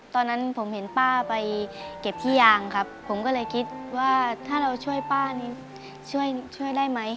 ตอนนั้นผมเห็นป้าไปเก็บขี้ยางครับผมก็เลยคิดว่าถ้าเราช่วยป้านี้ช่วยช่วยได้ไหม